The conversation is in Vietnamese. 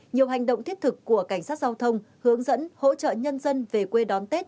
nhiều hành động thiết thực của cảnh sát giao thông hướng dẫn hỗ trợ nhân dân về quê đón tết